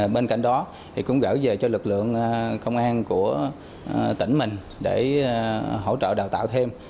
bên cạnh đó thì cũng gửi về cho lực lượng công an của tỉnh mình để hỗ trợ đào tạo thêm